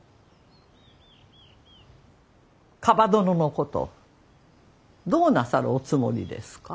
蒲殿のことどうなさるおつもりですか。